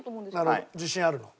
自信あるの？